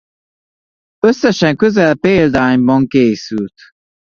Összesen közel példányban készült.